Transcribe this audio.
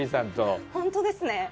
本当ですね。